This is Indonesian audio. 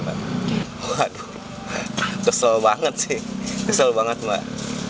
wah kesel banget sih kesel banget mbak